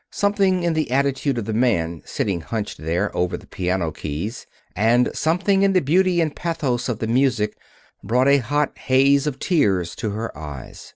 Something in the attitude of the man sitting hunched there over the piano keys, and something in the beauty and pathos of the music brought a hot haze of tears to her eyes.